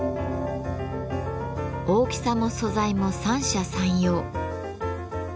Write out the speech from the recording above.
大きさも素材も三者三様。